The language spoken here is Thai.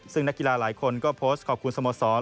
ซึ่งนักกีฬาหลายคนก็โพสต์ขอบคุณสโมสร